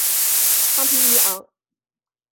康皮尼昂。